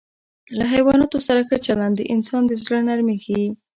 له حیواناتو سره ښه چلند د انسان د زړه نرمي ښيي.